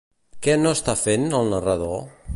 Què no està fent, el narrador?